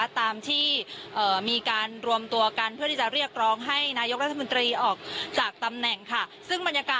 ตามที่มีการรวมตัวกันเพื่อที่จะเรียกร้องให้นายกรัฐมนตรีออกจากตำแหน่งค่ะซึ่งบรรยากาศ